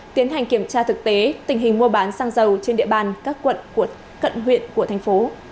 tiến hành kiểm tra thực tế tình hình mua bán xăng dầu trên địa bàn các quận cận huyện tp cnh